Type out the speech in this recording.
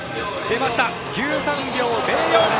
１３秒０４！